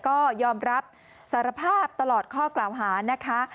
ก็ยอมรับสารภาพตลอดข้อกล่าวหานะคะ